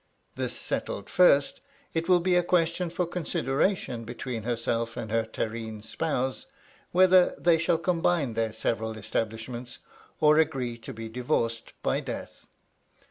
This settled first, it will be a question for consideration between herself and her terrene spouse whether they shall combine their several establishments, or agree to be divorced by death.